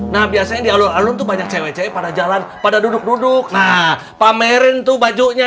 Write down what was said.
nah biasanya di alun alun tuh banyak cewek cewek pada jalan pada duduk duduk nah pamerin tuh bajunya